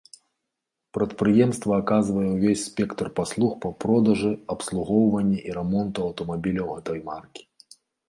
Прадпрыемства аказвае ўвесь спектр паслуг па продажы, абслугоўванні і рамонту аўтамабіляў гэтай маркі.